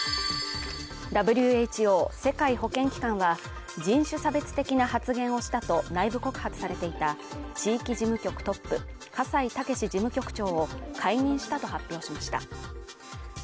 ＷＨＯ＝世界保健機関は、人種差別的な発言をしたと、内部告発されていた地域事務局トップ葛西健事務局長を解任したと発表しました。